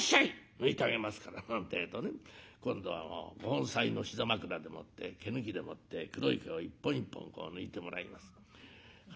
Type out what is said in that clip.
抜いてあげますから」なんてえとね今度はご本妻の膝枕でもって毛抜きでもって黒い毛を一本一本こう抜いてもらいます。